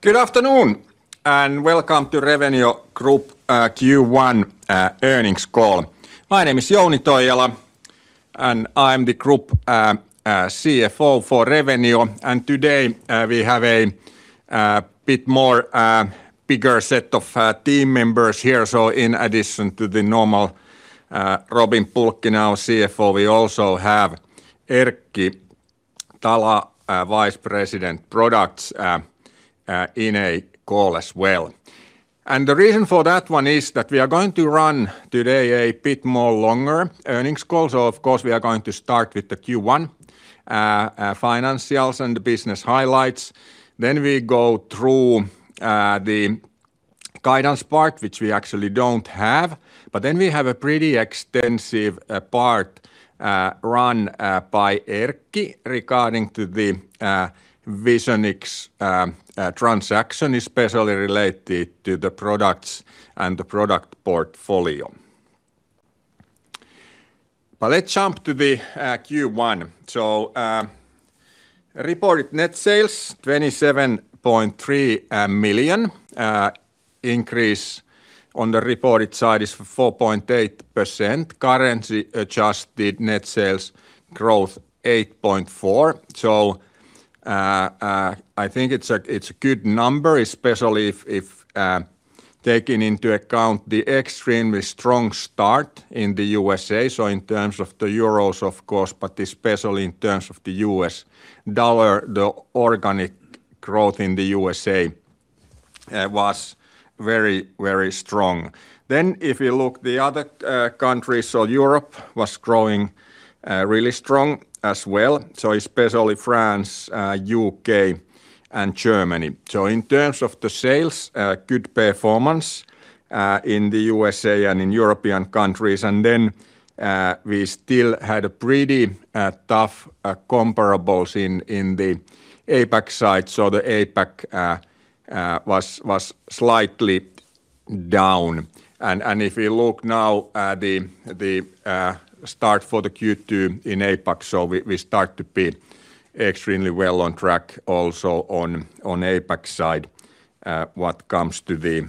Good afternoon, and welcome to Revenio Group Q1 earnings call. My name is Jouni Toijala, and I'm the Group CFO for Revenio. Today, we have a bit bigger set of team members here. In addition to the normal Robin Pulkkinen, our CFO, we also have Erkki Tala, Vice President Products, in a call as well. The reason for that one is that we are going to run today a bit longer earnings call. Of course, we are going to start with the Q1 financials and the business highlights. We go through the guidance part, which we actually don't have. We have a pretty extensive part run by Erkki regarding to the Visionix transaction, especially related to the products and the product portfolio. Let's jump to the Q1. Reported net sales, 27.3 million. Increase on the reported side is 4.8%. Currency-adjusted net sales growth 8.4%. I think it's a good number, especially if taking into account the extremely strong start in the U.S.A. In terms of the euros, of course, but especially in terms of the U.S. dollar, the organic growth in the U.S.A. was very strong. If you look the other countries, Europe was growing really strong as well, especially France, U.K., and Germany. In terms of the sales, good performance in the U.S.A. and in European countries. We still had a pretty tough comparables in the APAC side. The APAC was slightly down. If you look now at the start for the Q2 in APAC, we start to be extremely well on track also on APAC side, what comes to the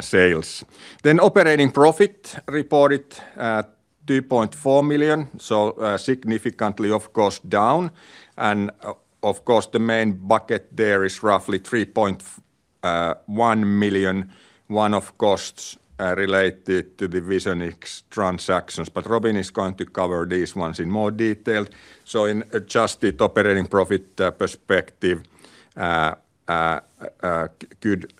sales. Operating profit reported at 2.4 million, significantly of course down. Of course, the main bucket there is roughly 3.1 million, one-off costs related to the Visionix transactions. Robin is going to cover these ones in more detail. In adjusted operating profit perspective, good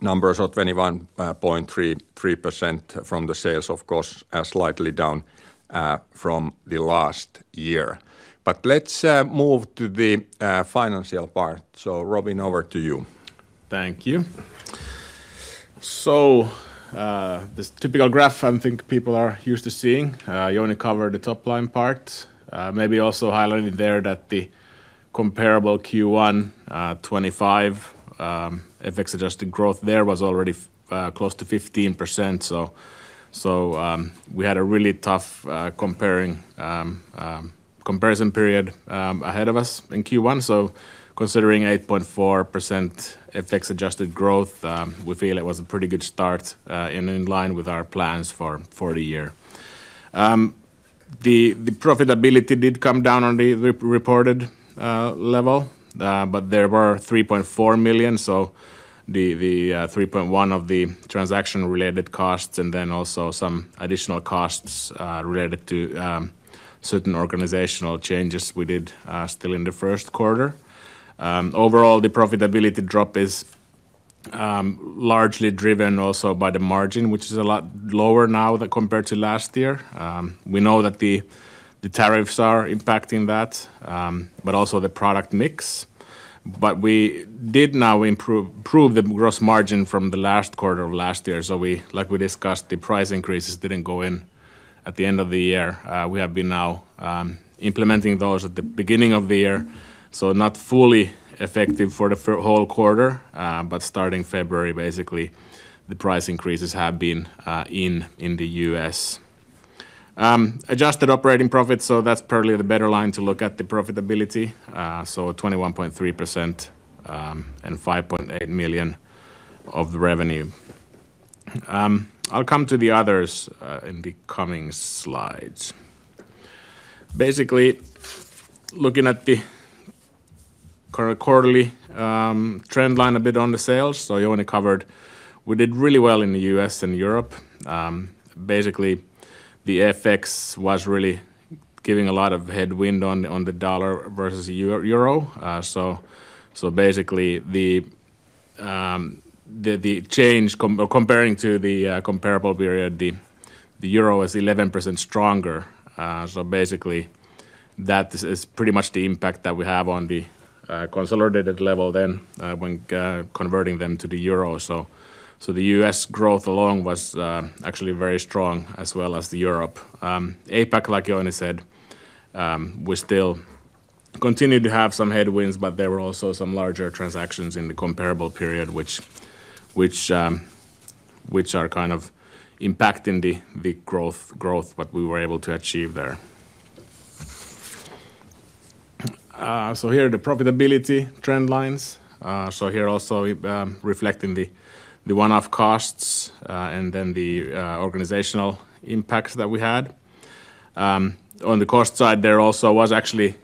numbers of 21.33% from the sales, of course, slightly down from the last year. Let's move to the financial part. Robin, over to you. Thank you. This typical graph I think people are used to seeing. Jouni covered the top line part. Maybe also highlighting there that the comparable Q1, 25, FX-adjusted growth there was already close to 15%. We had a really tough comparing comparison period ahead of us in Q1. Considering 8.4% FX-adjusted growth, we feel it was a pretty good start and in line with our plans for the year. The profitability did come down on the re-reported level, there were 3.4 million, so 3.1 million of the transaction-related costs and then also some additional costs related to certain organizational changes we did still in the Q1. Overall, the profitability drop is largely driven also by the margin, which is a lot lower now than compared to last year. We know that the tariffs are impacting that, but also the product mix. We did now improve the gross margin from the last quarter of last year. We, like we discussed, the price increases didn't go in at the end of the year. We have been now implementing those at the beginning of the year, so not fully effective for the whole quarter, but starting February, basically, the price increases have been in the U.S. Adjusted operating profit, that's probably the better line to look at the profitability, 21.3%, and 5.8 million of the revenue. I'll come to the others in the coming slides. Looking at the quarterly trend line a bit on the sales, Jouni covered we did really well in the U.S. and Europe. The FX was really giving a lot of headwind on the dollar versus euro. The change comparing to the comparable period, the euro is 11% stronger. That is pretty much the impact that we have on the consolidated level then when converting them to the euro. The U.S. growth alone was actually very strong as well as the Europe. APAC, like Jouni said, we still continue to have some headwinds, but there were also some larger transactions in the comparable period which are kind of impacting the growth what we were able to achieve there. Here are the profitability trend lines. Here also we, reflecting the one-off costs, and then the organizational impacts that we had. On the cost side, there also was actually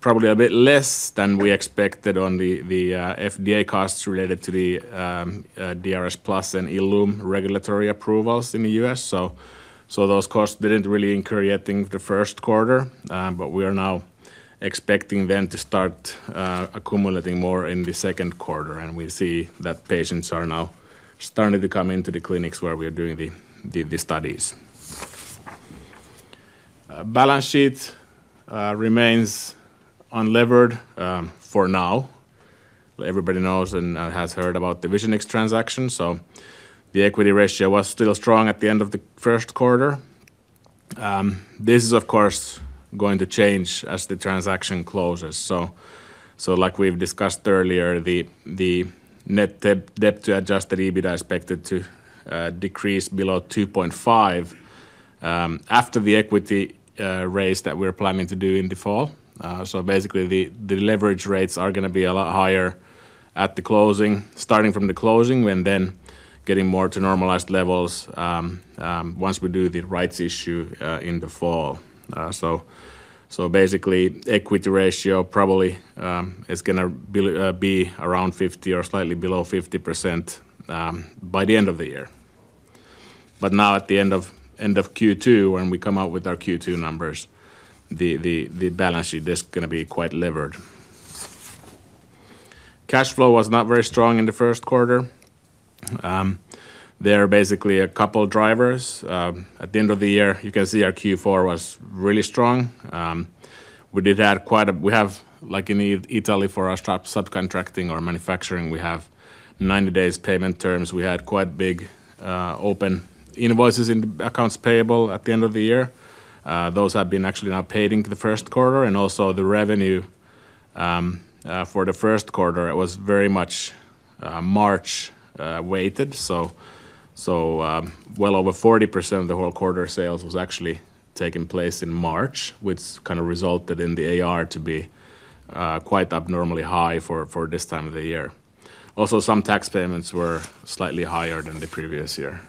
probably a bit less than we expected on the FDA costs related to the DRSplus and ILLUME regulatory approvals in the U.S. Those costs didn't really incur yet in the Q1, but we are now expecting them to start accumulating more in the Q2. We see that patients are now starting to come into the clinics where we are doing the studies. Balance sheet remains unlevered for now. Everybody knows and has heard about the Visionix transaction, so the equity ratio was still strong at the end of the Q1. This is of course going to change as the transaction closes. Like we've discussed earlier, the net debt to adjusted EBITDA is expected to decrease below 2.5 after the equity raise that we're planning to do in the fall. Basically, the leverage rates are going to be a lot higher at the closing, starting from the closing and then getting more to normalized levels once we do the rights issue in the fall. Basically, equity ratio probably is going to be around 50% or slightly below 50% by the end of the year. Now at the end of Q2, when we come out with our Q2 numbers, the balance sheet is going to be quite levered. Cash flow was not very strong in the Q1. There are basically two drivers. At the end of the year, you can see our Q4 was really strong. We have like in Italy for our subcontracting or manufacturing, we have 90 days payment terms. We had quite big open invoices in accounts payable at the end of the year. Those have been actually now paid into the Q1 and also the revenue for the Q1, it was very much March weighted. Well over 40% of the whole quarter sales was actually taking place in March, which kind of resulted in the AR to be quite abnormally high for this time of the year. Also, some tax payments were slightly higher than the previous year.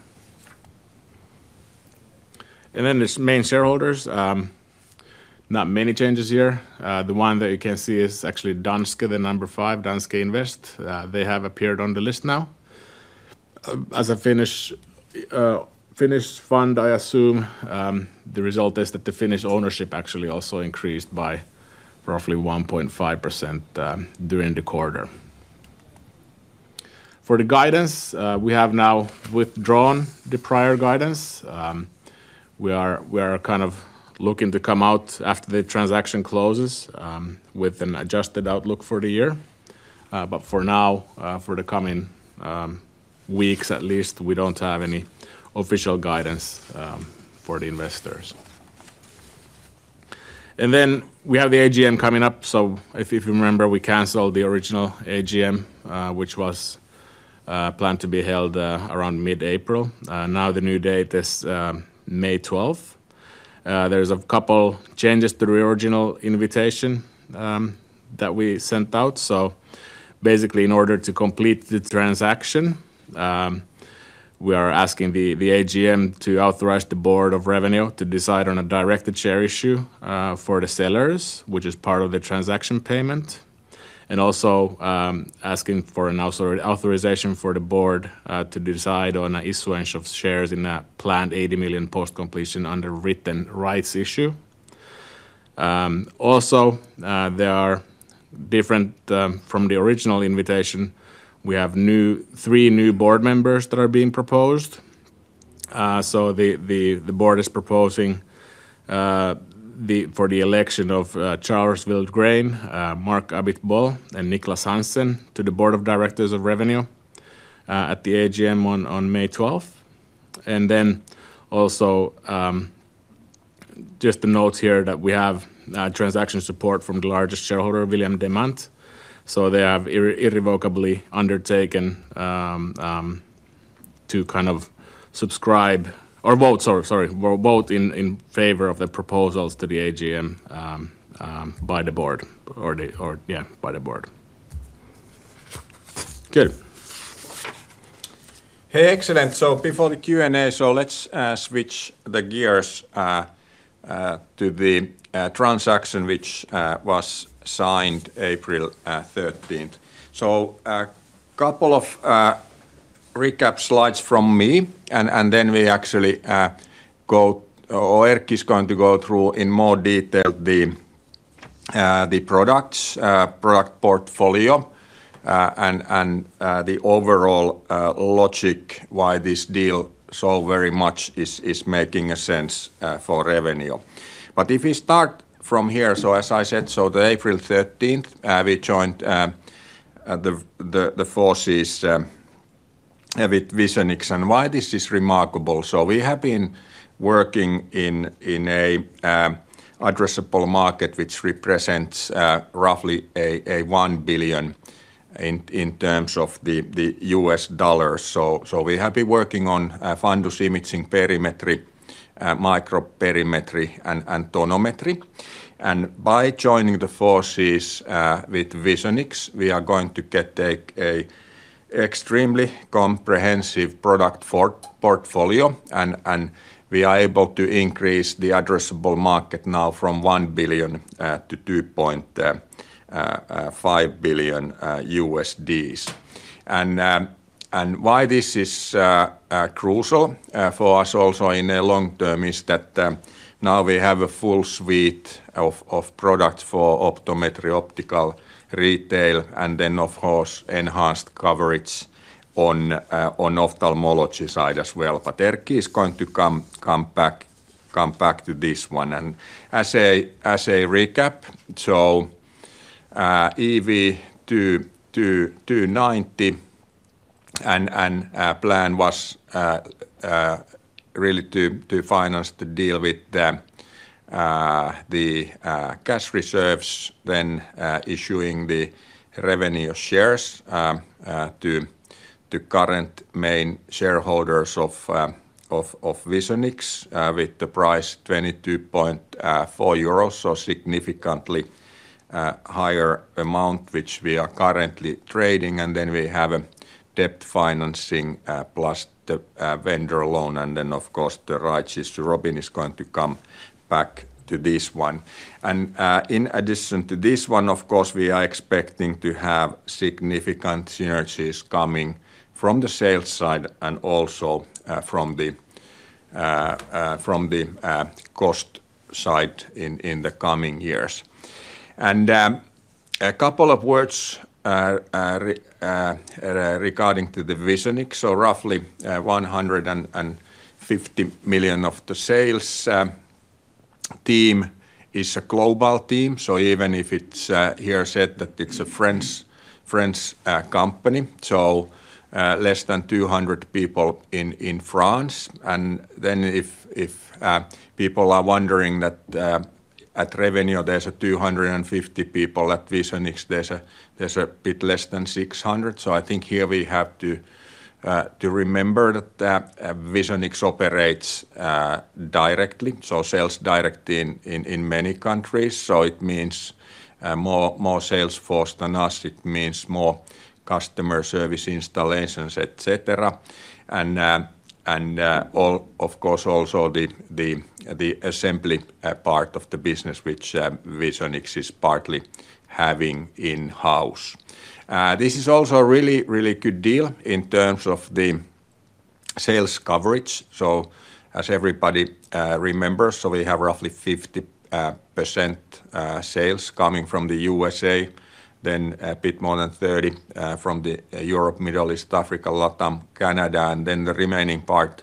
There're main shareholders. Not many changes here. The one that you can see is actually Danske, the number five, Danske Invest. They have appeared on the list now. As a Finnish fund, I assume, the result is that the Finnish ownership actually also increased by roughly 1.5% during the quarter. For the guidance, we have now withdrawn the prior guidance. We are kind of looking to come out after the transaction closes with an adjusted outlook for the year. But for now, for the coming weeks at least, we don't have any official guidance for the investors. We have the AGM coming up. If you remember, we canceled the original AGM, which was planned to be held around mid-April. Now the new date is May 12th. There's 2 changes to the original invitation that we sent out. Basically in order to complete the transaction, we are asking the AGM to authorize the board of Revenio to decide on a directed share issue for the sellers, which is part of the transaction payment. Asking for an authorization for the board to decide on the issuance of shares in a planned 80 million post-completion underwritten rights issue. Also, there are different from the original invitation, we have three new board members that are being proposed. The board is proposing for the election of Charles Wildgrain, Marc Abitbol, and Niklas Hansen to the board of directors of Revenio at the AGM on May 12th. Just to note here that we have transaction support from the largest shareholder, William Demant. They have irrevocably undertaken to kind of subscribe or vote, sorry, or vote in favor of the proposals to the AGM by the board or yeah, by the board. Good. Hey, excellent. Before the Q&A, let's switch the gears to the transaction which was signed April 13th. A couple of recap slides from me and then we actually go, or Erkki is going to go through in more detail the products, product portfolio, and the overall logic why this deal very much is making sense for Revenio. If we start from here, as I said, the April 13th, we joined the forces with Visionix and why this is remarkable. We have been working in an addressable market which represents roughly a $1 billion in terms of the US dollars. We have been working on fundus imaging, perimetry, microperimetry, and tonometry. By joining the forces with Visionix, we are going to get an extremely comprehensive product portfolio, and we are able to increase the addressable market now from $1-$2.5 billion. Why this is crucial for us also in the long term is that now we have a full suite of products for optometry, optical retail, and then of course enhanced coverage on ophthalmology side as well. Erkki is going to come back to this one. As a recap, EV EUR 2-290, our plan was really to finance the deal with the cash reserves, then issuing the Revenio shares to the current main shareholders of Visionix with the price 22.4 euros, so significantly higher amount which we are currently trading. Then we have a debt financing plus the vendor loan, and then of course the rights issue. Robin is going to come back to this one. In addition to this one, of course we are expecting to have significant synergies coming from the sales side and also from the cost side in the coming years. A couple of words regarding to the Visionix. Roughly 150 million of the sales. Team is a global team, even if it's here said that it's a French company, less than 200 people in France. If people are wondering that at Revenio there's 250 people, at Visionix there's a bit less than 600. I think here we have to remember that Visionix operates directly, sales direct in many countries. It means more sales force than us. It means more customer service installations, et cetera. All of course also the assembly part of the business which Visionix is partly having in-house. This is also a really, really good deal in terms of the sales coverage. As everybody remembers, we have roughly 50% sales coming from the U.S.A., then a bit more than 30% from the Europe, Middle East, Africa, LATAM, Canada, and the remaining part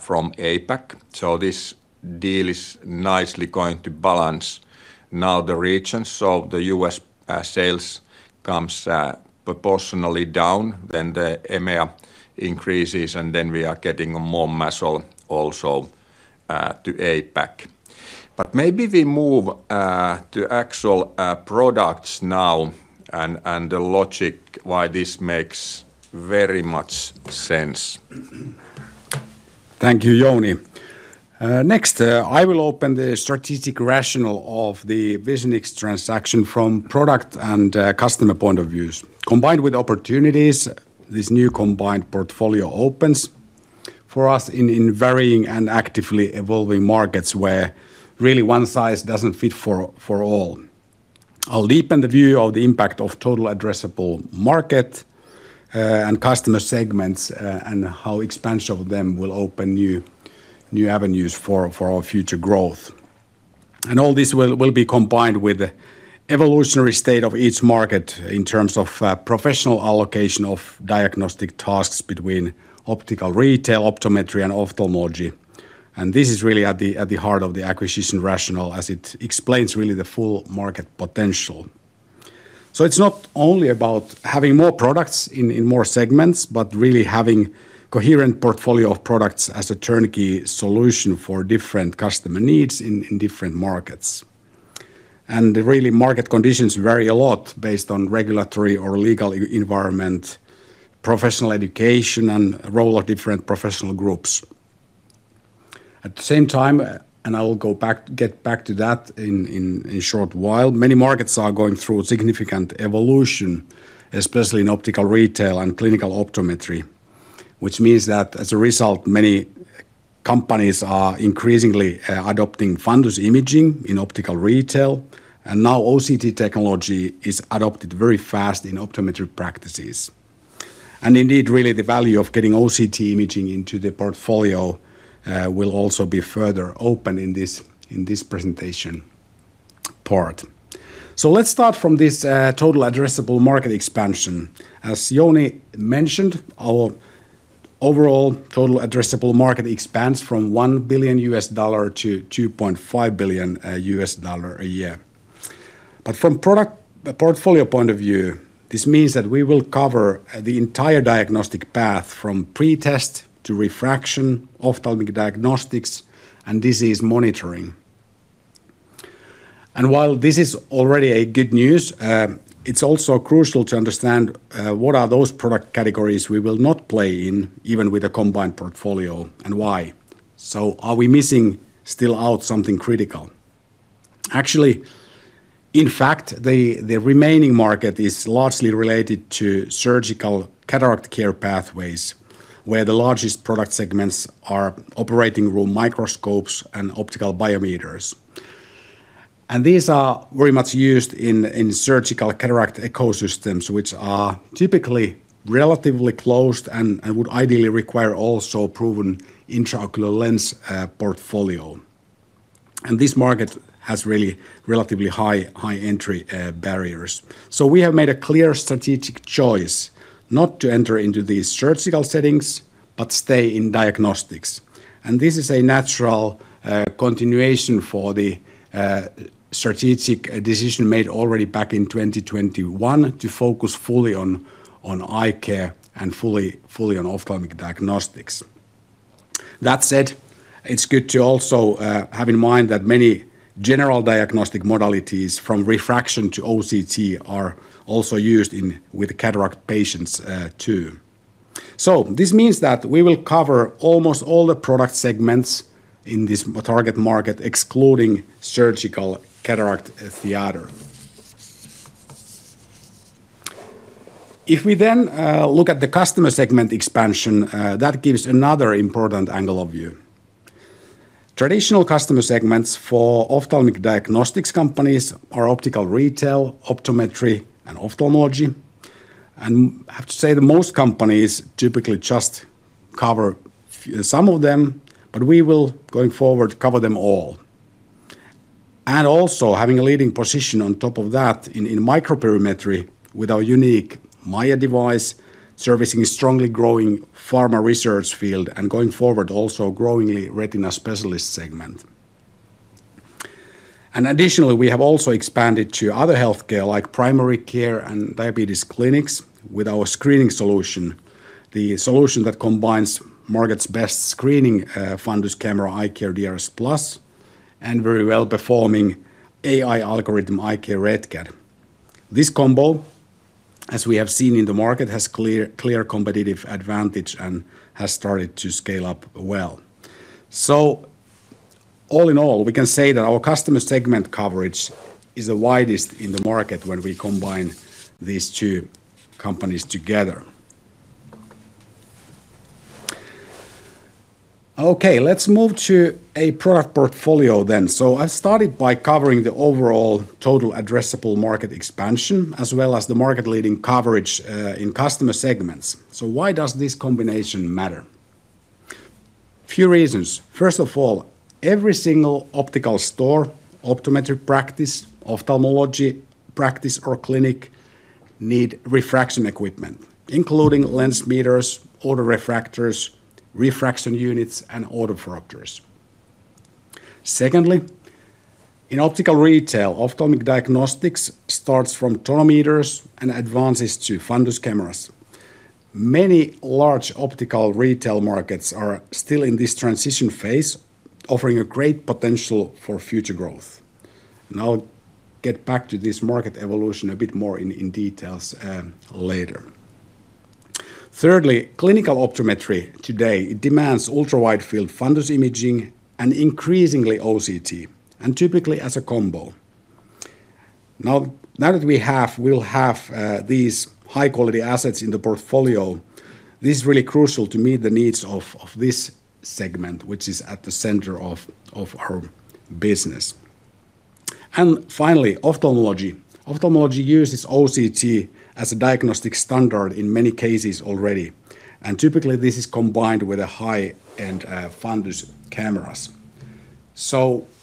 from APAC. This deal is nicely going to balance now the regions. The U.S. sales comes proportionally down, then the EMEA increases, and then we are getting more muscle also to APAC. Maybe we move to actual products now and the logic why this makes very much sense. Thank you, Jouni. Next, I will open the strategic rationale of the Visionix transaction from product and customer point of views. Combined with opportunities, this new combined portfolio opens for us in varying and actively evolving markets where really one size doesn't fit for all. I'll deepen the view of the impact of total addressable market and customer segments and how expansion of them will open new avenues for our future growth. All this will be combined with evolutionary state of each market in terms of professional allocation of diagnostic tasks between optical retail, optometry and ophthalmology. This is really at the heart of the acquisition rationale as it explains really the full market potential. It's not only about having more products in more segments, but really having coherent portfolio of products as a turnkey solution for different customer needs in different markets. Really market conditions vary a lot based on regulatory or legal e-environment, professional education and role of different professional groups. At the same time, and I will get back to that in short while, many markets are going through significant evolution, especially in optical retail and clinical optometry, which means that as a result, many companies are increasingly adopting fundus imaging in optical retail, and now OCT technology is adopted very fast in optometry practices. Indeed really the value of getting OCT imaging into the portfolio will also be further open in this presentation part. Let's start from this total addressable market expansion. As Jouni mentioned, our overall total addressable market expands from $1- $2.5 billion a year. From product portfolio point of view, this means that we will cover the entire diagnostic path from pretest to refraction, ophthalmic diagnostics and disease monitoring. While this is already good news, it's also crucial to understand what those product categories are we will not play in even with a combined portfolio and why. Are we missing still out something critical? Actually, in fact, the remaining market is largely related to surgical cataract care pathways, where the largest product segments are operating room microscopes and optical biometers. These are very much used in surgical cataract ecosystems, which are typically relatively closed and would ideally require also proven intraocular lens portfolio. This market has really relatively high entry barriers. We have made a clear strategic choice not to enter into these surgical settings but stay in diagnostics. This is a natural continuation for the strategic decision made already back in 2021 to focus fully on eye care and fully on ophthalmic diagnostics. That said, it's good to also have in mind that many general diagnostic modalities from refraction to OCT are also used with cataract patients too. This means that we will cover almost all the product segments in this target market excluding surgical cataract theater. If we then look at the customer segment expansion, that gives another important angle of view. Traditional customer segments for ophthalmic diagnostics companies are optical retail, optometry and ophthalmology. I have to say that most companies typically just cover some of them, but we will going forward cover them all. Also having a leading position on top of that in microperimetry with our unique MAIA device servicing strongly growing pharma research field and going forward also growingly retina specialist segment. Additionally, we have also expanded to other healthcare like primary care and diabetes clinics with our screening solution. The solution that combines market's best screening fundus camera, iCare DRSplus, and very well-performing AI algorithm, iCare RETCAD. This combo, as we have seen in the market, has clear competitive advantage and has started to scale up well. All in all, we can say that our customer segment coverage is the widest in the market when we combine these two companies together. Let's move to a product portfolio then. I started by covering the overall total addressable market expansion as well as the market leading coverage in customer segments. Why does this combination matter? Few reasons. First of all, every single optical store, optometric practice, ophthalmology practice or clinic need refraction equipment, including lensmeters, autorefractors, refraction units and autokeratometers. Secondly, in optical retail, ophthalmic diagnostics starts from tonometers and advances to fundus cameras. Many large optical retail markets are still in this transition phase, offering a great potential for future growth. I'll get back to this market evolution a bit more in details later. Thirdly, clinical optometry today demands ultra-widefield fundus imaging and increasingly OCT, and typically as a combo. Now that we'll have these high quality assets in the portfolio, this is really crucial to meet the needs of this segment, which is at the center of our business. Finally, ophthalmology. Ophthalmology uses OCT as a diagnostic standard in many cases already. Typically, this is combined with a high-end fundus cameras.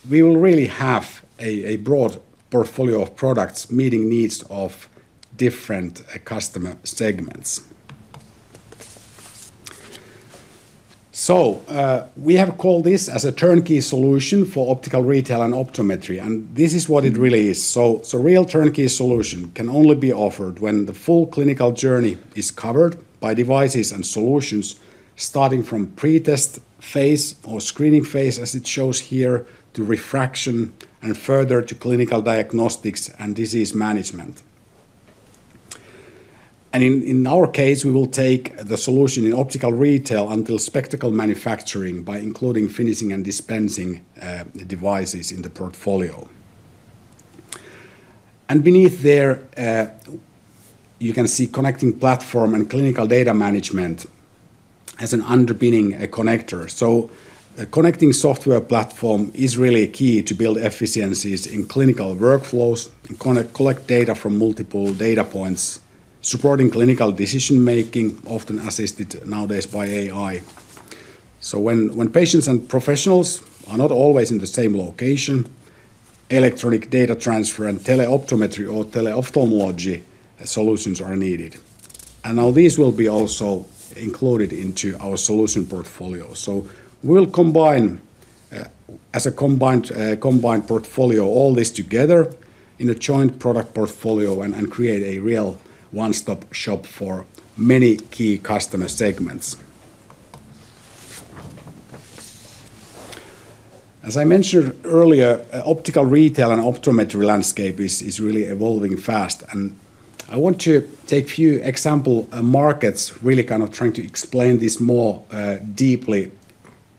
We will really have a broad portfolio of products meeting needs of different customer segments. We have called this as a turnkey solution for optical retail and optometry, and this is what it really is. A real turnkey solution can only be offered when the full clinical journey is covered by devices and solutions, starting from pretest phase or screening phase, as it shows here, to refraction and further to clinical diagnostics and disease management. In our case, we will take the solution in optical retail until spectacle manufacturing by including finishing and dispensing devices in the portfolio. Beneath there, you can see connecting platform and clinical data management as an underpinning connector. A connecting software platform is really key to build efficiencies in clinical workflows and collect data from multiple data points, supporting clinical decision-making, often assisted nowadays by AI. When patients and professionals are not always in the same location, electronic data transfer and teleoptometry or teleophthalmology solutions are needed. Now these will be also included into our solution portfolio. We'll combine as a combined portfolio all this together in a joint product portfolio and create a real one-stop shop for many key customer segments. As I mentioned earlier, optical retail and optometry landscape is really evolving fast. I want to take few example markets really kind of trying to explain this more deeply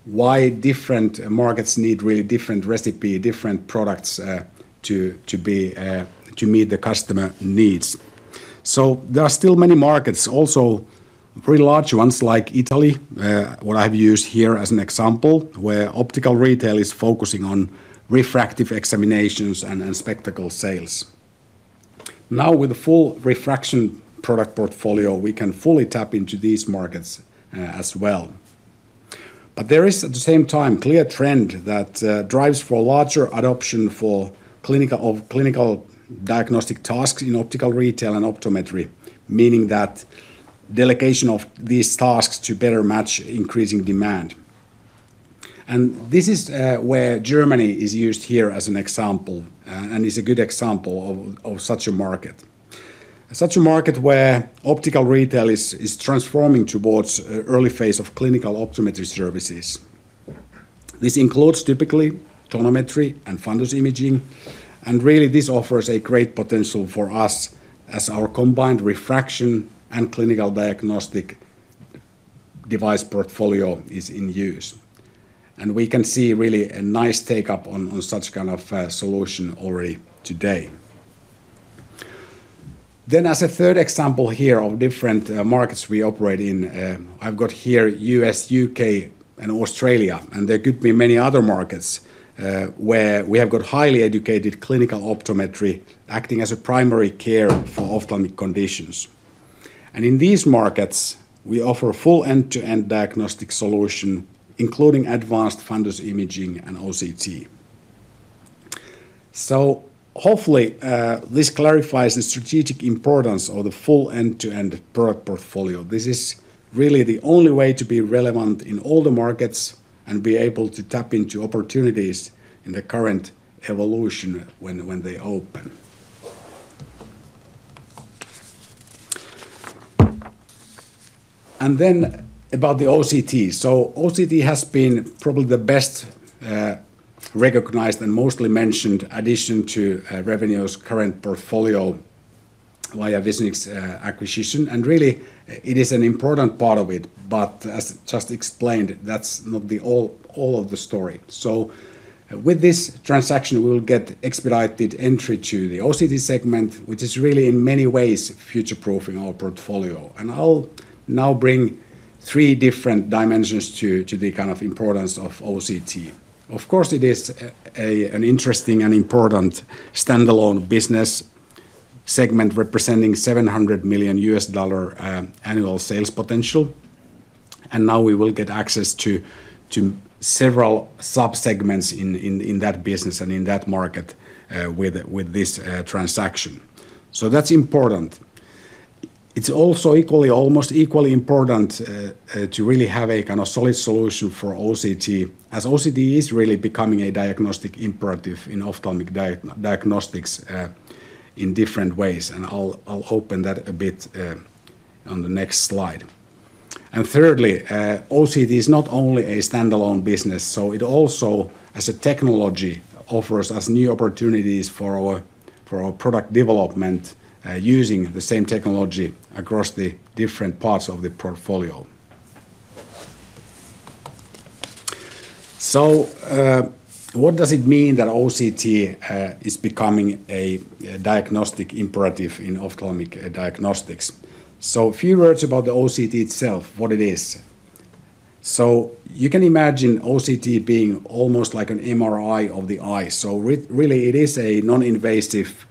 why different markets need really different recipe, different products to meet the customer needs. There are still many markets, also pretty large ones like Italy, what I've used here as an example, where optical retail is focusing on refractive examinations and spectacle sales. Now with the full refraction product portfolio, we can fully tap into these markets as well. There is at the same time clear trend that drives for larger adoption of clinical diagnostic tasks in optical retail and optometry, meaning that delegation of these tasks to better match increasing demand. This is where Germany is used here as an example and is a good example of such a market. Such a market where optical retail is transforming towards early phase of clinical optometry services. This includes typically tonometry and fundus imaging. Really, this offers a great potential for us as our combined refraction and clinical diagnostic device portfolio is in use. We can see really a nice take-up on such kind of solution already today. As a third example here of different markets we operate in, I've got here U.S., U.K., and Australia. There could be many other markets where we have got highly educated clinical optometry acting as a primary care for ophthalmic conditions. In these markets, we offer a full end-to-end diagnostic solution, including advanced fundus imaging and OCT. Hopefully, this clarifies the strategic importance of the full end-to-end product portfolio. This is really the only way to be relevant in all the markets and be able to tap into opportunities in the current evolution when they open. Then about the OCT. OCT has been probably the best recognized and mostly mentioned addition to Revenio's current portfolio via Visionix acquisition, and really it is an important part of it. As just explained, that's not the all of the story. With this transaction, we'll get expedited entry to the OCT segment, which is really in many ways future-proofing our portfolio. I'll now bring three different dimensions to the kind of importance of OCT. Of course, it is an interesting and important standalone business segment representing $700 million annual sales potential, and now we will get access to several sub-segments in that business and in that market with this transaction. That's important. It's also equally, almost equally important to really have a kind of solid solution for OCT, as OCT is really becoming a diagnostic imperative in ophthalmic diagnostics in different ways, and I'll open that a bit on the next slide. Thirdly, OCT is not only a standalone business, so it also as a technology offers us new opportunities for our product development using the same technology across the different parts of the portfolio. What does it mean that OCT is becoming a diagnostic imperative in ophthalmic diagnostics? A few words about the OCT itself, what it is. You can imagine OCT being almost like an MRI of the eye. Really it is a non-invasive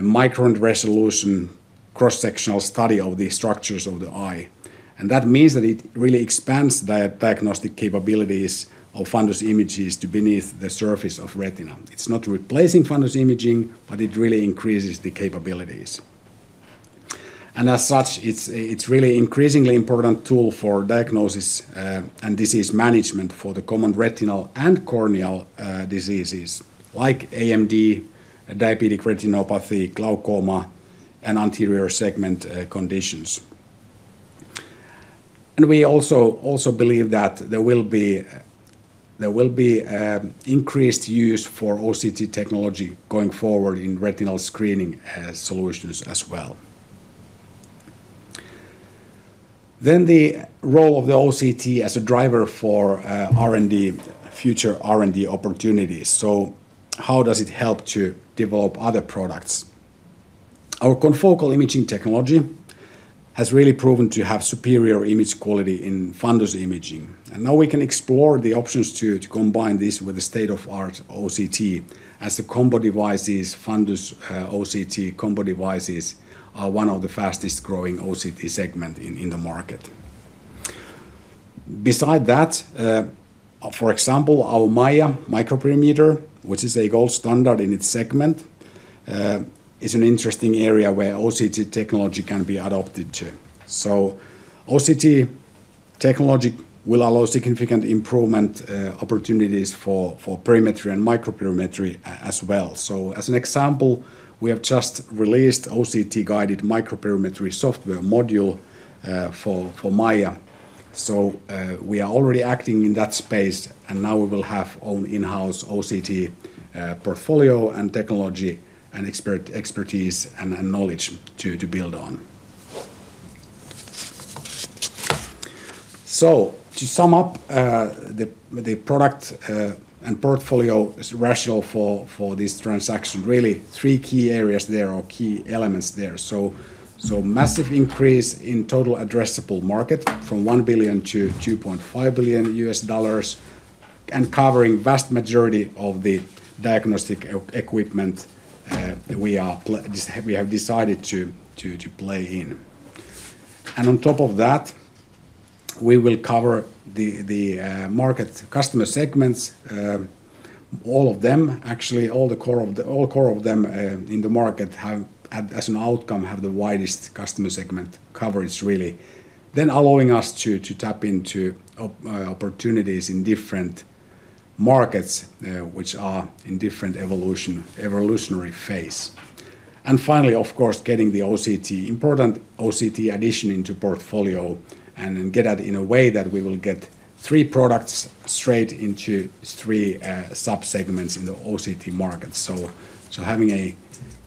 micro-resolution cross-sectional study of the structures of the eye. That means that it really expands diagnostic capabilities of fundus images to beneath the surface of retina. It's not replacing fundus imaging, but it really increases the capabilities. As such, it's really increasingly important tool for diagnosis and disease management for the common retinal and corneal diseases like AMD, diabetic retinopathy, glaucoma, and anterior segment conditions. We also believe that there will be increased use for OCT technology going forward in retinal screening solutions as well. The role of the OCT as a driver for R&D future R&D opportunities. How does it help to develop other products? Our confocal imaging technology has really proven to have superior image quality in fundus imaging. Now we can explore the options to combine this with the state-of-art OCT as the combo devices, fundus OCT combo devices are one of the fastest growing OCT segments in the market. For example, our MAIA micro perimeter, which is a gold standard in its segment, is an interesting area where OCT technology can be adopted too. OCT technology will allow significant improvement opportunities for perimetry and microperimetry as well. As an example, we have just released OCT-guided microperimetry software module for MAIA. We are already acting in that space, and now we will have own in-house OCT portfolio and technology and expertise and knowledge to build on. To sum up, the product and portfolio is rational for this transaction, really three key areas there or key elements there. Massive increase in total addressable market from $1-$2.5 billion US dollars and covering vast majority of the diagnostic equipment that we have decided to play in. On top of that, we will cover the market customer segments, all of them. Actually, all the core of them in the market have, as an outcome, have the widest customer segment coverage really. Allowing us to tap into opportunities in different markets, which are in different evolutionary phase. Finally, of course, getting the OCT, important OCT addition into portfolio and get that in a way that we will get three products straight into three sub-segments in the OCT market. Having a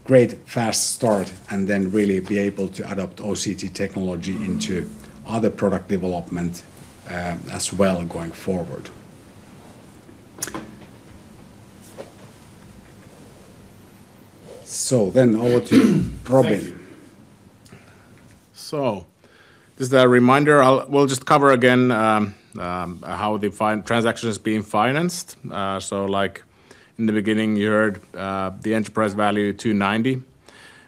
great fast start really be able to adopt OCT technology into other product development as well going forward. Over to Robin. Thank you. Just a reminder, we'll just cover again how the transaction is being financed. Like in the beginning, you heard the enterprise value 290.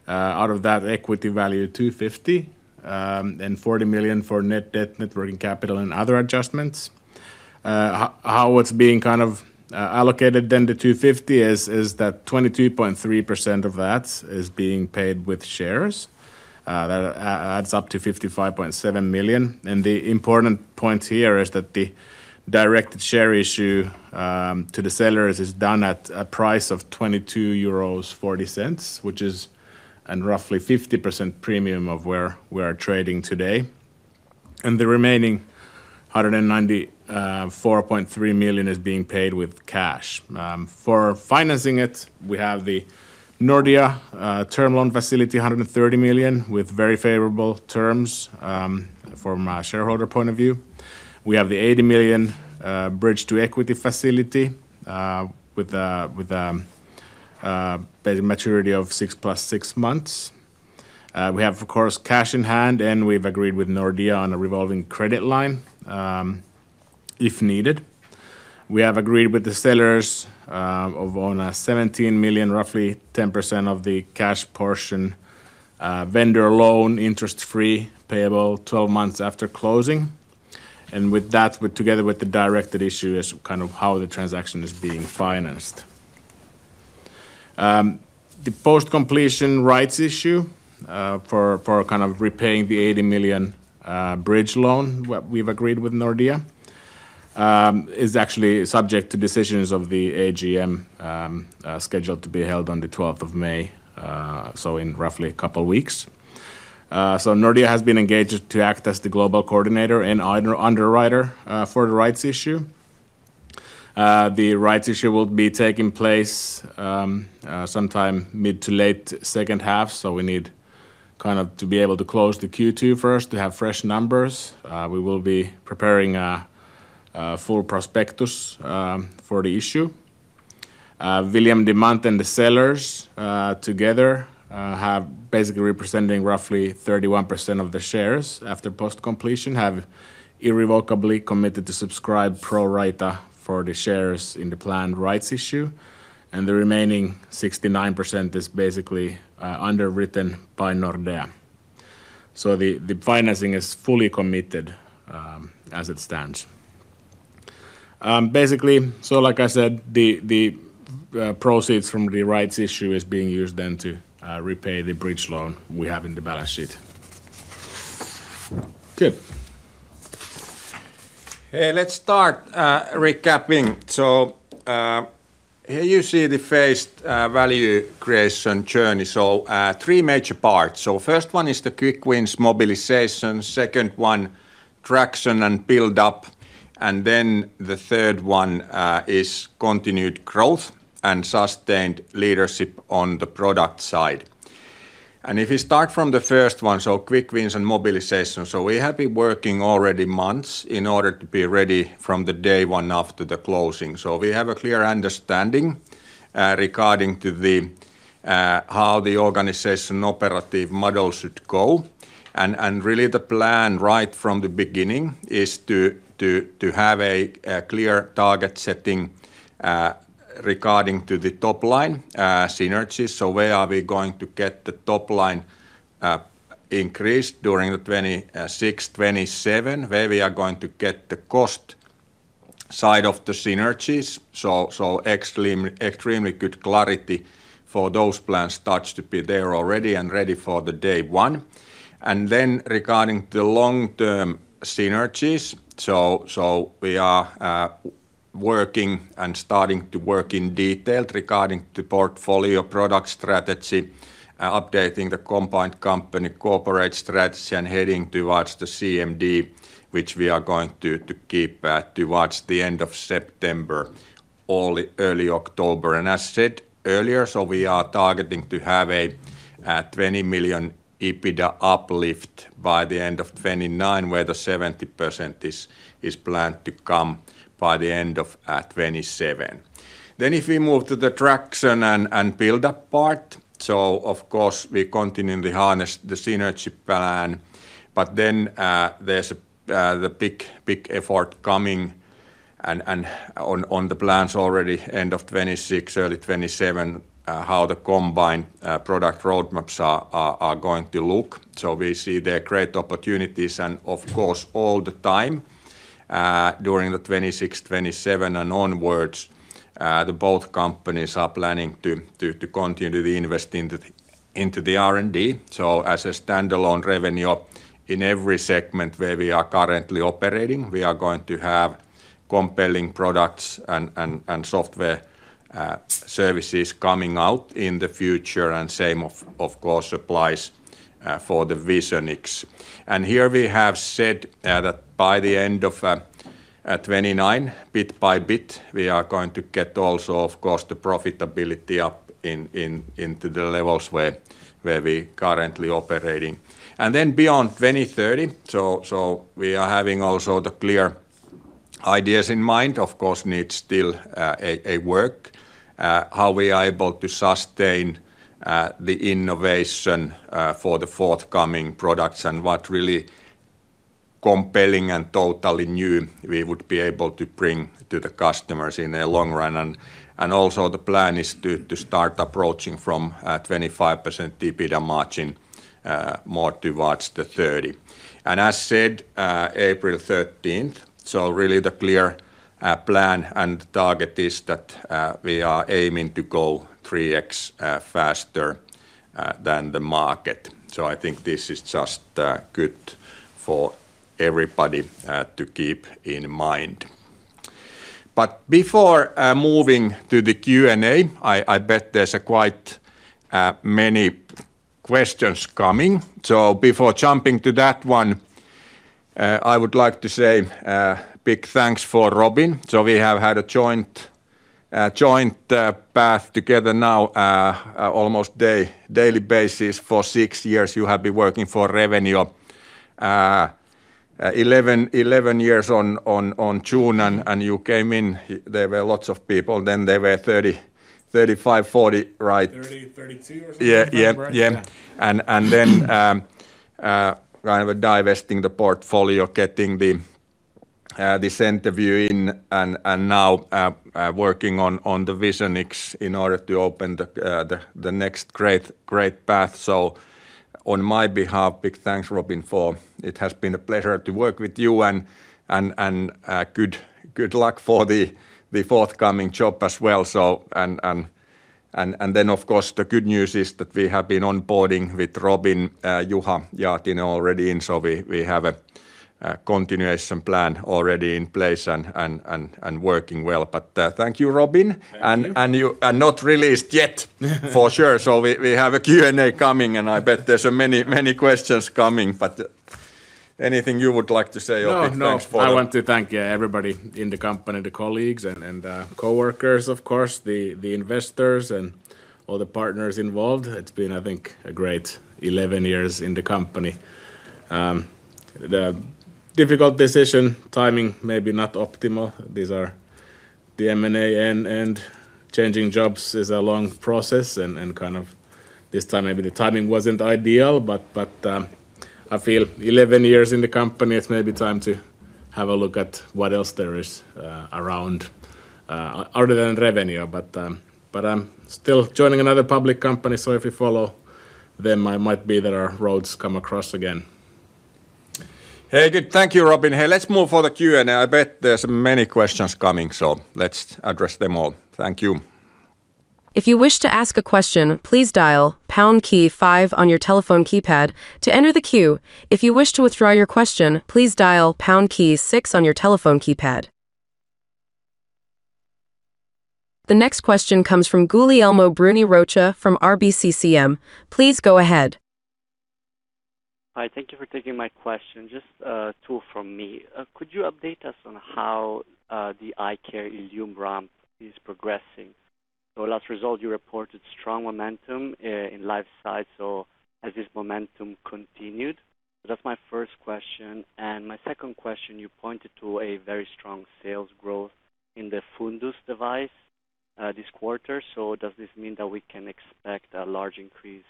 Out of that equity value 250, and 40 million for net debt, net working capital and other adjustments. How it's being kind of allocated, the 250 is that 22.3% of that is being paid with shares. That adds up to 55.7 million. The important point here is that the directed share issue to the sellers is done at a price of 22.40 euros, which is a roughly 50% premium of where we are trading today. The remaining 194.3 million is being paid with cash. For financing it, we have the Nordea term loan facility, 130 million, with very favorable terms from a shareholder point of view. We have the 80 million bridge to equity facility with the maturity of six plus six months. We have of course cash in hand. We've agreed with Nordea on a revolving credit line if needed. We have agreed with the sellers on a 17 million, roughly 10% of the cash portion, vendor loan interest free payable 12 months after closing. With that, together with the directed issue is kind of how the transaction is being financed. The post-completion rights issue for kind of repaying the 80 million bridge loan, what we've agreed with Nordea, is actually subject to decisions of the AGM scheduled to be held on the 12th of May, so in roughly two weeks. Nordea has been engaged to act as the global coordinator and underwriter for the rights issue. The rights issue will be taking place sometime mid to late H2, so we need kind of to be able to close the Q2 first to have fresh numbers. We will be preparing a full prospectus for the issue. William Demant and the sellers, together, have basically representing roughly 31% of the shares after post-completion, have irrevocably committed to subscribe pro rata for the shares in the planned rights issue, and the remaining 69% is basically underwritten by Nordea. The, the financing is fully committed as it stands. Basically, like I said, the proceeds from the rights issue is being used then to repay the bridge loan we have in the balance sheet. Good. Hey, let's start recapping. Here you see the phased value creation journey. three major parts. First one is the quick wins mobilization, second one traction and build-up, then the third one is continued growth and sustained leadership on the product side. If you start from the first one, quick wins and mobilization. We have been working already months in order to be ready from the day one after the closing. We have a clear understanding regarding to the how the organization operative model should go. Really the plan right from the beginning is to have a clear target setting regarding to the top line synergies. Where are we going to get the top line increase during the 2026, 2027? Where are we going to get the cost? Side of the synergies. Extremely good clarity for those plans starts to be there already and ready for the day one. Regarding the long-term synergies, we are working and starting to work in detail regarding the portfolio product strategy, updating the combined company corporate strategy and heading towards the CMD, which we are going to keep towards the end of September, early October. As said earlier, we are targeting to have a 20 million EBITDA uplift by the end of 2029, where the 70% is planned to come by the end of 2027. If we move to the traction and build-up part, of course we continually harness the synergy plan. There's a big, big effort coming and, on the plans, already end of 2026, early 2027, how the combined product roadmaps are going to look. We see their great opportunities and of course all the time, during the 2026, 2027 and onwards, both companies are planning to continue to invest into the R&D. As a standalone Revenio in every segment where we are currently operating, we are going to have compelling products and software services coming out in the future and same of course applies for the Visionix. Here we have said that by the end of 2029, bit by bit, we are going to get also of course the profitability up into the levels where we currently operating. Then beyond 2030, so we are having also the clear ideas in mind, of course needs still a work how we are able to sustain the innovation for the forthcoming products and what really compelling and totally new we would be able to bring to the customers in the long run. Also the plan is to start approaching from 25% EBITDA margin more towards the 30%. As said, April 13th, so really the clear plan and target is that we are aiming to go 3x faster than the market. I think this is just good for everybody to keep in mind. Before moving to the Q&A, I bet there's a quite many questions coming. Before jumping to that one, I would like to say big thanks for Robin. We have had a joint path together now, almost daily basis for six years, you have been working for Revenio, 11 years on June, and you came in, there were lots of people, then there were 30, 35, 40, right? 30, 32 or something like that. Yeah. Yeah. Yeah. Right. Yeah. Then, kind of divesting the portfolio, getting this interview in and now working on Visionix in order to open the next great path. On my behalf, big thanks, Robin, for it has been a pleasure to work with you and good luck for the forthcoming job as well. Then of course, the good news is that we have been onboarding with Robin, Juha Jaatinen already in. We have a continuation plan already in place and working well. Thank you, Robin. Thank you. You are not released yet for sure. We have a Q&A coming, and I bet there's many questions coming. Anything you would like to say or big thanks for. No, no. I want to thank everybody in the company, the colleagues and coworkers, of course, the investors and all the partners involved. It's been, I think, a great 11 years in the company. The difficult decision, timing maybe not optimal. These are the M&A and changing jobs is a long process and kind of this time, maybe the timing wasn't ideal. I feel 11 years in the company, it may be time to have a look at what else there is around other than Revenio. I'm still joining another public company, so if you follow them, I might be that our roads come across again. Hey, good. Thank you, Robin. Hey, let's move for the Q&A. I bet there's many questions coming. Let's address them all. Thank you. The next question comes from Guglielmo Bruni from RBC Capital Markets. Please go ahead. Hi. Thank you for taking my question. Just two from me. Could you update us on how the iCare ILLUME ramp is progressing? Last result, you reported strong momentum in live site. Has this momentum continued? That's my first question. My second question, you pointed to a very strong sales growth in the fundus device this quarter. Does this mean that we can expect a large increase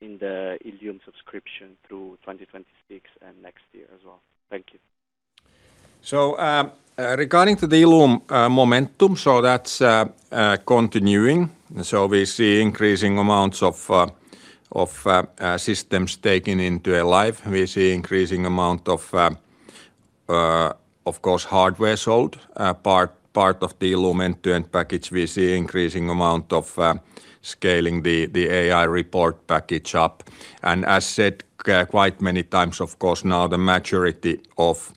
in the ILLUME subscription through 2026 and next year as well? Thank you. Regarding to the ILLUME momentum, that's continuing. We see increasing amounts of systems taken into a live. We see increasing amount of course, hardware sold, part of the ILLUME end-to-end package, we see increasing amount of scaling the AI report package up. As said quite many times, of course, now the maturity of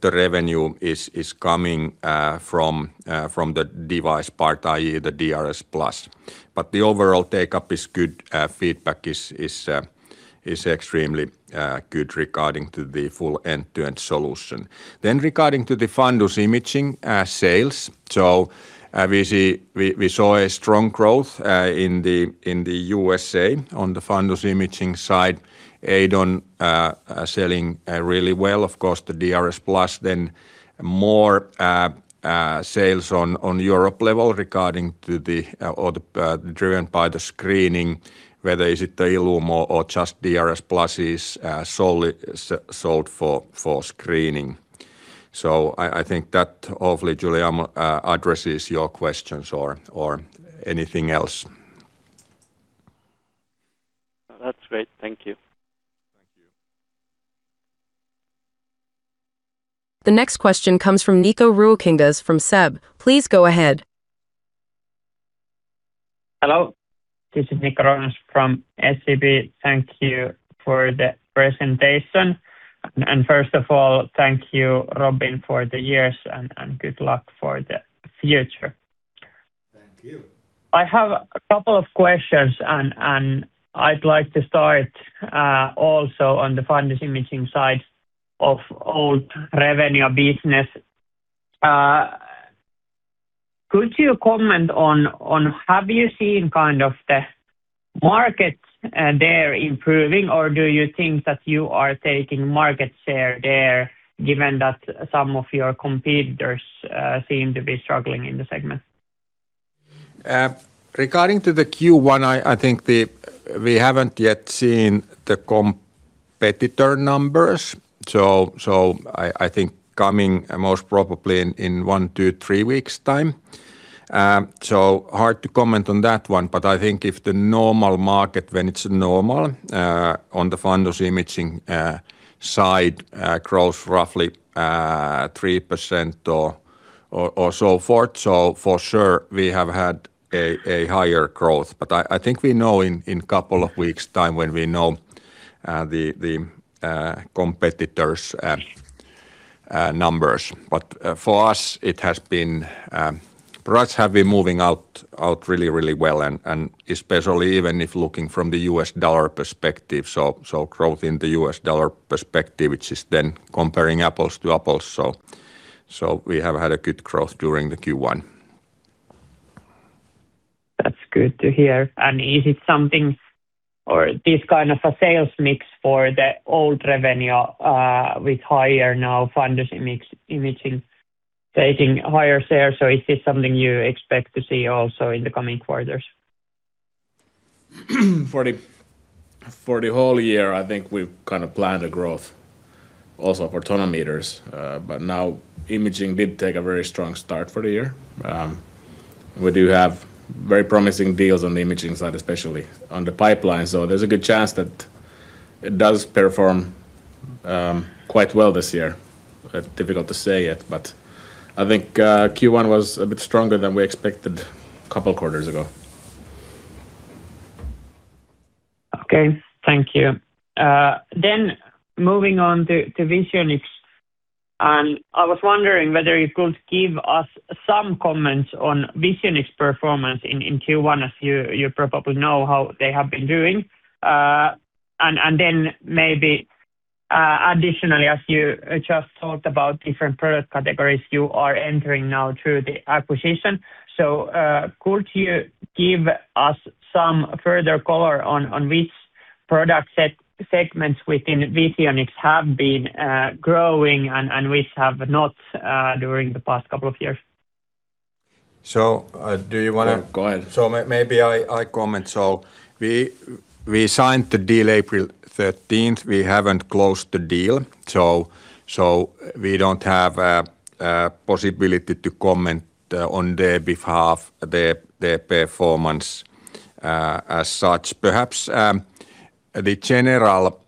the revenue is coming from the device part, i.e. the DRSplus. The overall take-up is good. Feedback is extremely good regarding to the full end-to-end solution. Regarding to the fundus imaging sales. We saw a strong growth in the U.S.A. on the fundus imaging side. EIDON selling really well, of course, the DRSplus. More sales on Europe level regarding to the or the driven by the screening, whether is it the iCare ILLUME or just DRSplus is solely sold for screening. I think that hopefully, Guglielmo Bruni addresses your questions or anything else. That's great. Thank you. Thank you. The next question comes from Nikko Ruokangas from SEB. Please go ahead. Hello, this is Nikko Ruokangas from SEB. Thank you for the presentation. First of all, thank you, Robin, for the years, and good luck for the future. Thank you. I have a couple of questions. I'd like to start also on the fundus imaging side of Revenio business. Could you comment on have you seen kind of the markets there improving, or do you think that you are taking market share there given that some of your competitors seem to be struggling in the segment? Regarding to the Q1, we haven't yet seen the competitor numbers. Coming most probably in one to three weeks' time. Hard to comment on that one, but I think if the normal market, when it's normal, on the fundus imaging side, grows roughly 3% or so forth. For sure we have had a higher growth. We know in couple of weeks' time when we know the competitors' numbers. For us, it has been, products have been moving out really well, and especially even if looking from the U.S. dollar perspective. Growth in the U.S. dollar perspective, which is then comparing apples to apples. We have had a good growth during the Q1. That's good to hear. Is it something or this kind of a sales mix for the old revenue, with higher now fundus imaging taking higher share? Is this something you expect to see also in the coming quarters? For the, for the whole year, I think we've kind of planned a growth also for tonometers, but now imaging did take a very strong start for the year. We do have very promising deals on the imaging side, especially on the pipeline. There's a good chance that it does perform quite well this year. Difficult to say yet, but I think Q1 was a bit stronger than we expected a couple quarters ago. Okay. Thank you. Moving on to Visionix, and I was wondering whether you could give us some comments on Visionix performance in Q1, as you probably know how they have been doing. Additionally, as you just talked about different product categories you are entering now through the acquisition, could you give us some further color on which product segments within Visionix have been growing and which have not during the past couple of years? So, uh, do you wanna- Go ahead. Maybe I comment. We signed the deal April thirteenth. We haven't closed the deal, we don't have a possibility to comment on their behalf, their performance as such. Perhaps the general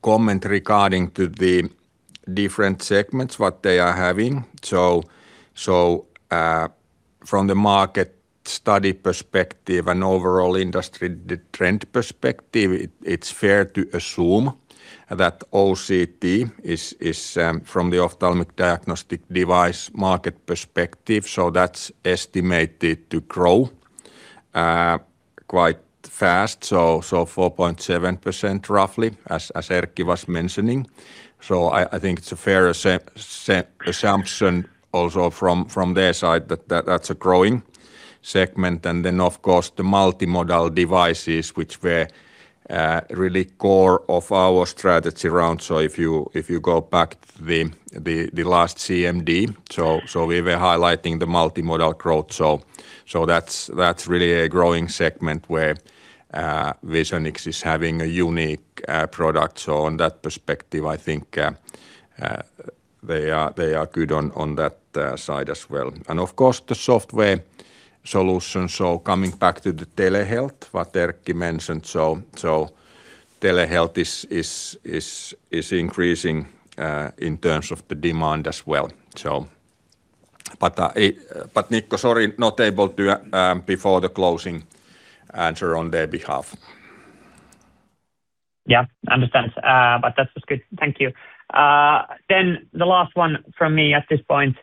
comment regarding the different segments, what they are having. From the market study perspective and overall industry, the trend perspective, it's fair to assume that OCT is from the ophthalmic diagnostic device market perspective. That's estimated to grow quite fast. 4.7% roughly as Erkki was mentioning. I think it's a fair assumption also from their side that's a growing segment. Of course, the multimodal devices which were really core of our strategy around. If you go back the last CMD, we were highlighting the multimodal growth. That's really a growing segment where Visionix is having a unique product. On that perspective, I think they are good on that side as well. Of course, the Software solutions. Coming back to the telehealth, what Erkki mentioned. Telehealth is increasing in terms of the demand as well. But Nikko, sorry, not able to before the closing answer on their behalf. Yeah, understand. That was good. Thank you. The last one from me at this point.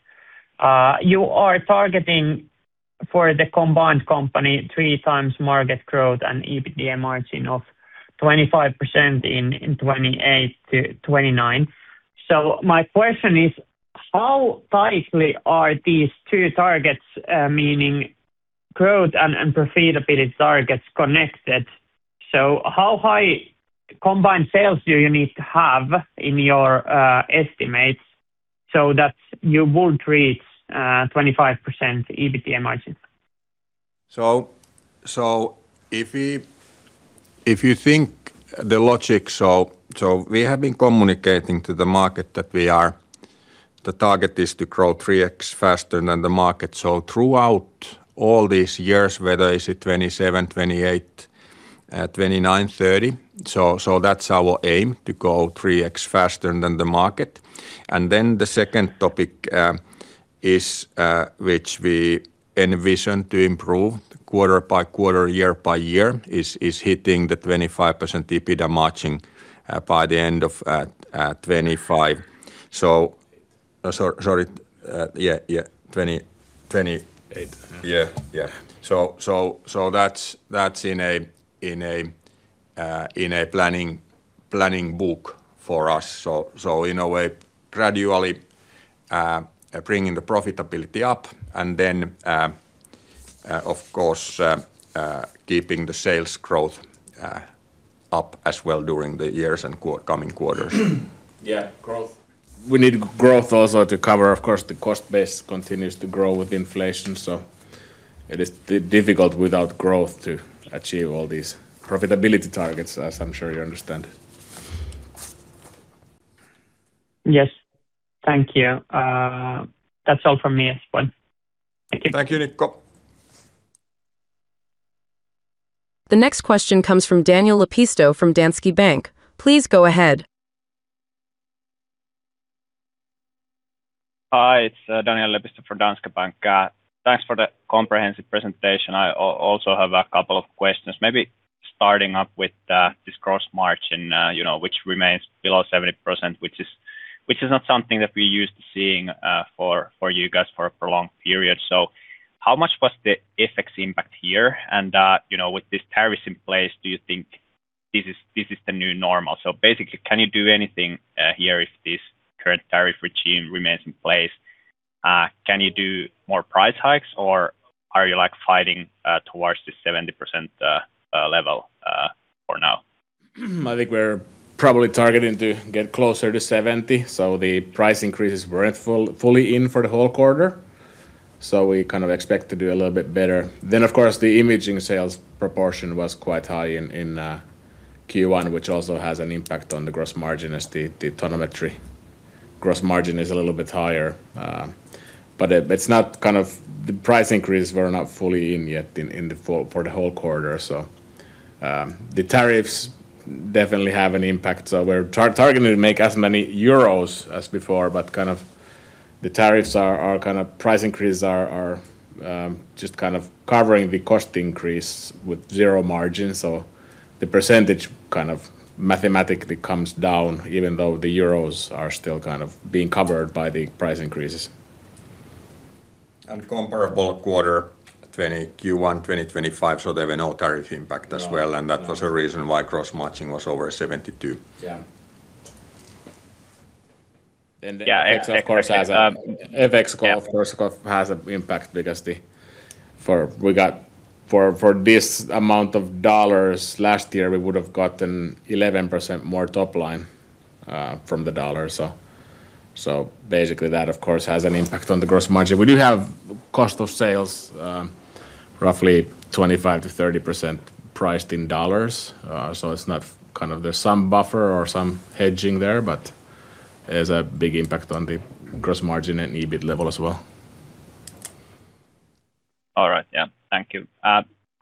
You are targeting for the combined company three times market growth and EBITDA margin of 25% in 2028-2029. My question is, how tightly are these two targets, meaning growth and profitability targets connected? How high combined sales do you need to have in your estimates so that you would reach 25% EBITDA margin? If you think the logic... We have been communicating to the market that the target is to grow 3x faster than the market. Throughout all these years, whether is it 2027, 2028, 2029, 2030. That's our aim, to grow 3x faster than the market. The second topic, which we envision to improve quarter by quarter, year by year is hitting the 25% EBITDA margin by the end of 2025. Sorry, sorry. Yeah, yeah. Eight. Yeah. That's in a planning book for us. In a way, gradually, bringing the profitability up and then, of course, keeping the sales growth up as well during the years and coming quarters. Yeah. Growth. We need growth also to cover, of course, the cost base continues to grow with inflation, it is difficult without growth to achieve all these profitability targets, as I'm sure you understand. Yes. Thank you. That's all from me as well. Thank you. Thank you, Nikko. The next question comes from Daniel Lepistö from Danske Bank. Please go ahead. Hi, it's Daniel Lepistö from Danske Bank. Thanks for the comprehensive presentation. I also have a couple of questions. Maybe starting up with this gross margin, you know, which remains below 70%, which is not something that we're used to seeing for you guys for a prolonged period. How much was the FX impact here? You know, with this tariffs in place, do you think this is the new normal? Basically, can you do anything here if this current tariff regime remains in place? Can you do more price hikes, or are you, like, fighting towards the 70% level for now? I think we're probably targeting to get closer to 70. The price increases weren't fully in for the whole quarter. We kind of expect to do a little bit better. Of course, the imaging sales proportion was quite high in Q1, which also has an impact on the gross margin as the tonometry gross margin is a little bit higher. It's not kind of. The price increase were not fully in yet for the whole quarter. The tariffs definitely have an impact. We're targeting to make as many euros as before, but kind of the tariffs are kind of price increase are just kind of covering the cost increase with zero margin. The percentage kind of mathematically comes down, even though the euros are still kind of being covered by the price increases. Comparable quarter Q1 2025, there were no tariff impact as well. No. No. That was a reason why gross margin was over 72. Yeah. Yeah, of course. FX, of course, has an impact. For this amount of dollars last year, we would have gotten 11% more top line from the dollar. Basically, that of course, has an impact on the gross margin. We do have cost of sales, roughly 25%-30% priced in dollars. There's some buffer or some hedging there, but there's a big impact on the gross margin and EBIT level as well. All right. Yeah. Thank you.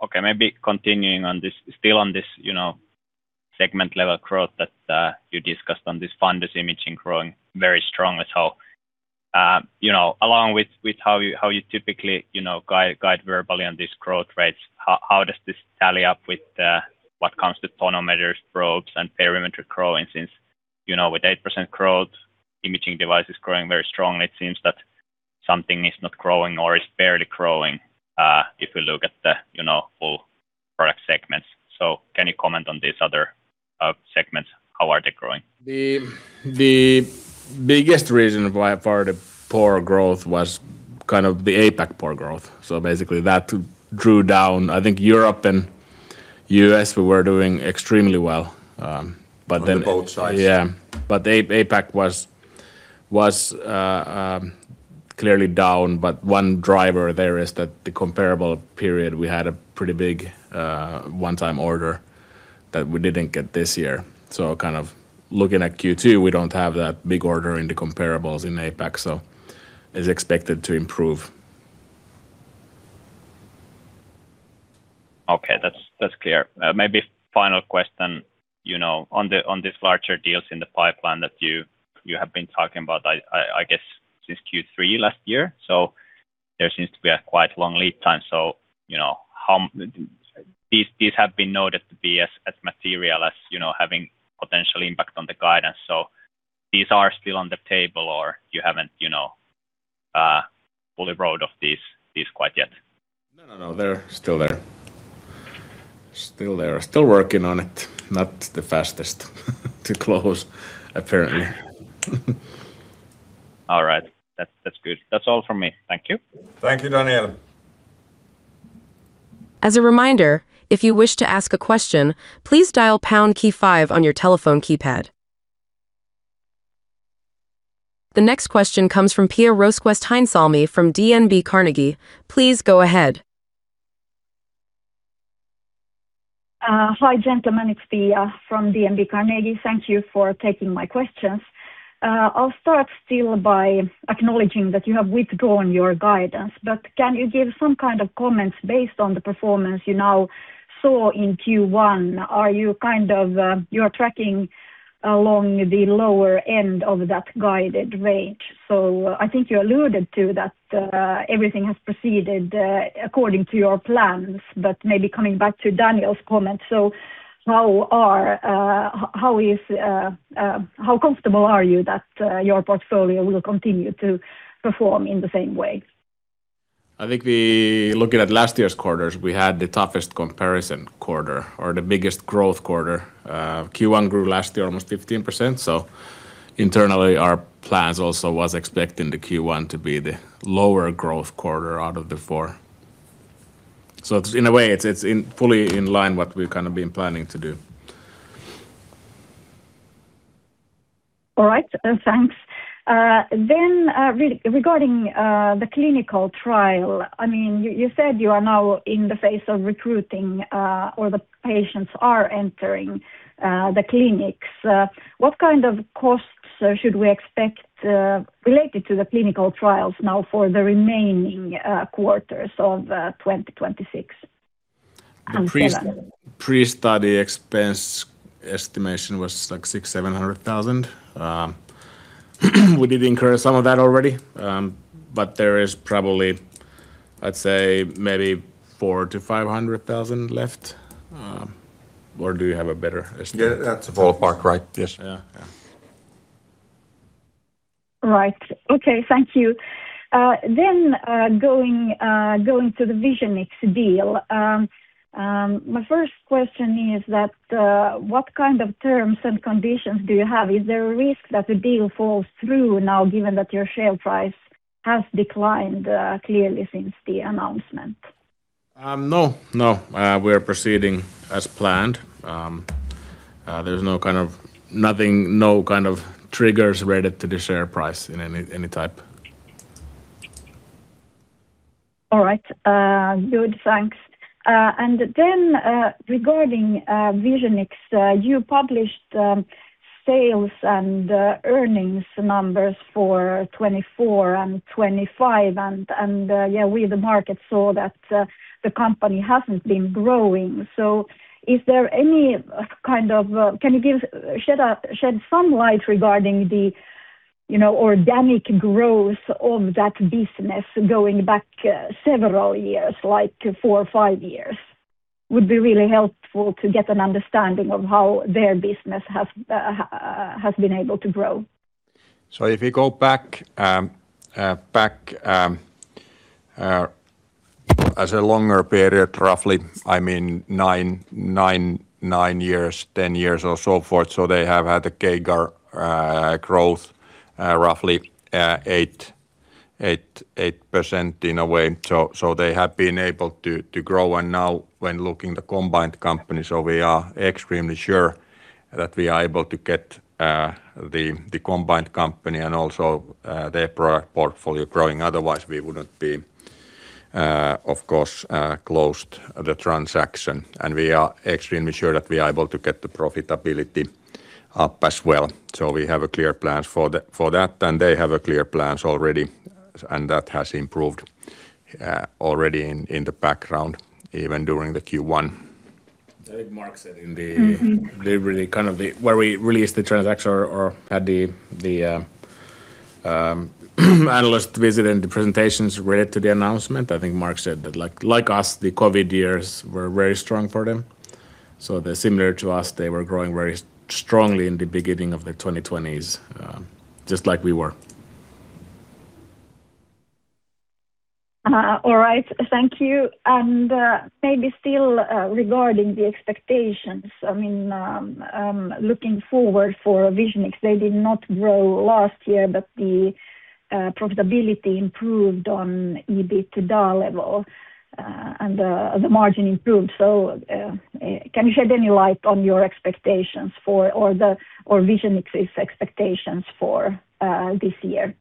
Okay, maybe continuing still on this, you know, segment level growth that you discussed on this fundus imaging growing very strong as well. You know, along with how you typically, you know, guide verbally on these growth rates, how does this tally up with when it comes to tonometers, probes, and perimetry growing since, you know, with 8% growth, imaging devices growing very strongly, it seems that something is not growing or is barely growing, if you look at the, you know, full product segments. Can you comment on these other segments? How are they growing? The biggest reason by far the poor growth was kind of the APAC poor growth. Basically, that drew down. I think Europe and U.S., we were doing extremely well. On both sides. Yeah. APAC was clearly down, but one driver there is that the comparable period, we had a pretty big one-time order that we didn't get this year. Looking at Q2, we don't have that big order in the comparables in APAC, so it's expected to improve. Okay. That's clear. Maybe final question, you know, on these larger deals in the pipeline that you have been talking about, I guess since Q3 last year. There seems to be a quite long lead time so, you know, how these have been noted to be as material as, you know, having potential impact on the guidance. These are still on the table or you haven't, you know, fully wrote off these quite yet? No, no. They're still there. Still there. Still working on it. Not the fastest to close apparently. All right. That's good. That's all from me. Thank you. Thank you, Daniel. As a reminder, if you wish to ask a question, please dial pound key five on your telephone keypad. The next question comes from Pia Rosqvist-Heinsalmi from DNB Carnegie. Please go ahead. Hi, gentlemen. It's Pia from DNB Carnegie. Thank you for taking my questions. I'll start still by acknowledging that you have withdrawn your guidance, but can you give some kind of comments based on the performance you now saw in Q1? Are you kind of, you are tracking along the lower end of that guided range. I think you alluded to that, everything has proceeded, according to your plans, but maybe coming back to Daniel's comments. How are, how is, how comfortable are you that, your portfolio will continue to perform in the same way? I think we Looking at last year's quarters, we had the toughest comparison quarter or the biggest growth quarter. Q1 grew last year almost 15%, so internally our plans also was expecting the Q1 to be the lower growth quarter out of the four. It's, in a way, it's fully in line what we've kind of been planning to do. All right. Thanks. Regarding the clinical trial, I mean, you said you are now in the phase of recruiting, or the patients are entering the clinics. What kind of costs should we expect related to the clinical trials now for the remaining quarters of 2026 and 2027? The pre-study expense estimation was like EUR 600,000-EUR 700,000. We did incur some of that already, but there is probably, I'd say maybe 400,000-500,000 left. Or do you have a better estimate? Yeah. That's a ballpark, right? Yes. Yeah. Yeah. Right. Okay. Thank you. Going to the Visionix deal, my first question is that, what kind of terms and conditions do you have? Is there a risk that the deal falls through now given that your share price has declined clearly since the announcement? No. No. We're proceeding as planned. There's no kind of nothing, no kind of triggers related to the share price in any type. All right. Good. Thanks. Regarding Visionix, you published sales and earnings numbers for 2024 and 2025, and yeah, we the market saw that the company hasn't been growing. Is there any kind of, can you shed some light regarding the, you know, organic growth of that business going back several years, like four or five years years? Would be really helpful to get an understanding of how their business has been able to grow. If you go back, as a longer period, roughly, nine years, 10 years or so forth, they have had a CAGR growth, roughly 8% in a way. They have been able to grow. Now when looking the combined company, we are extremely sure that we are able to get the combined company and also their product portfolio growing, otherwise we wouldn't be of course closed the transaction. We are extremely sure that we are able to get the profitability up as well. We have clear plans for that, and they have clear plans already, and that has improved already in the background, even during the Q1. Mm-hmm. I think Mark said where we released the transaction or had the analyst visit and the presentations related to the announcement. I think Mark said that like us, the COVID years were very strong for them. They're similar to us. They were growing very strongly in the beginning of the 2020s, just like we were. All right. Thank you. Maybe still, regarding the expectations, I mean, looking forward for Visionix, they did not grow last year, but the profitability improved on EBITDA level, and the margin improved. Can you shed any light on your expectations for or Visionix' expectations for this year?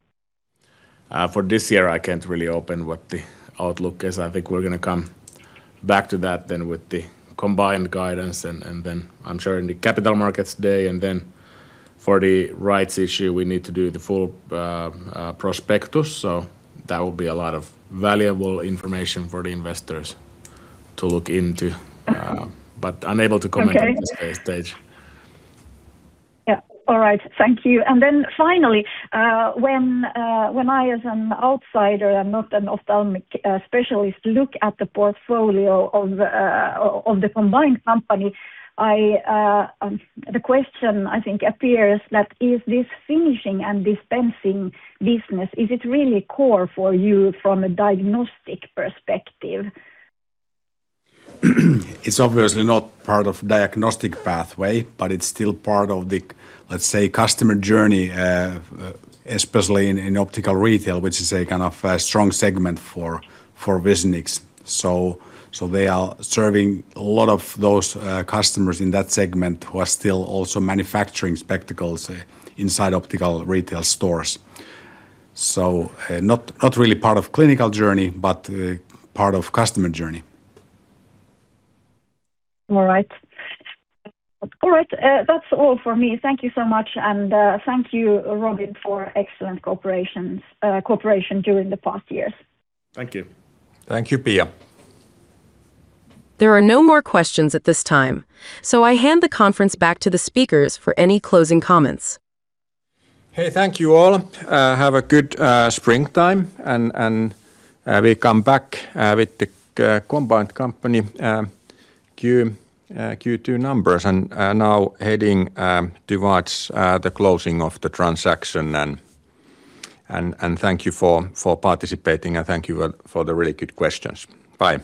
For this year, I can't really open what the outlook is. I think we're gonna come back to that then with the combined guidance and then I'm sure in the Capital Markets Day. For the rights issue, we need to do the full prospectus. That will be a lot of valuable information for the investors to look into. Okay. Unable to comment at this stage. Okay Yeah. All right. Thank you. Finally, when I, as an ophthalmic specialist, look at the portfolio of the combined company, the question I think appears that is this finishing and dispensing business, is it really core for you from a diagnostic perspective? It's obviously not part of diagnostic pathway, but it's still part of the, let's say, customer journey, especially in optical retail, which is a kind of a strong segment for Visionix. They are serving a lot of those customers in that segment who are still also manufacturing spectacles inside optical retail stores. Not really part of clinical journey, but part of customer journey. All right. That's all for me. Thank you so much, and thank you, Robin, for excellent cooperation during the past years. Thank you. Thank you, Pia. There are no more questions at this time. I hand the conference back to the speakers for any closing comments. Hey, thank you all. Have a good springtime. We come back with the co-combined company Q2 numbers. Now heading towards the closing of the transaction. Thank you for participating, and thank you for the really good questions. Bye.